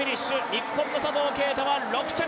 日本の佐藤圭汰は６着。